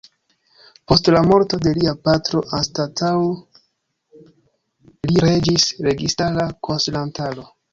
Post la morto de lia patro anstataŭ li regis registara konsilantaro.